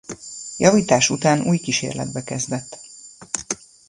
Javítás után új kísérletbe kezdett.